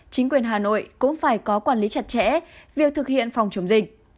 chính quyền hà nội cũng phải có quản lý chặt chẽ việc thực hiện phòng chống dịch